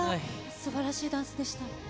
すばらしいダンスでした。